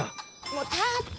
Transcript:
もう立って！